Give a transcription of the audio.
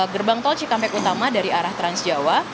gerbang tol cikampek utama dari arah transjawa